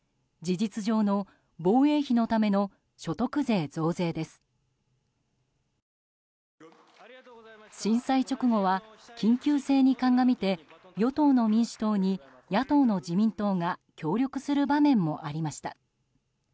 震災直後は緊急性に鑑みて与党の民主党に野党の自民党が協力する場面もありました。